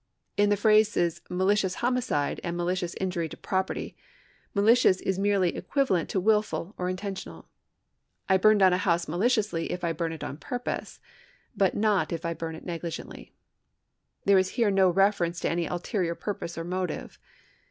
In the phrases malicious homicide and malicious injury to property, malicious is merely equivalent to wilful or intentional. I burn down a house maliciously if I burn it on purpose, but not if I burn it negligently. There is here no reference to any ulterior purpose or motive.